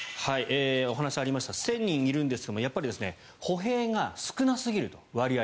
お話にありました１０００人いるんですが歩兵が割合として少なすぎると。